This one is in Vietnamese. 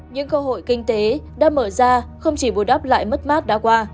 những cơ hội kinh tế đã mở ra không chỉ vô đáp lại mất mát đã qua